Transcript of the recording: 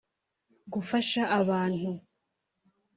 gufasha abantu